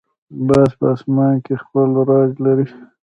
باز په آسمان کې خپل راج لري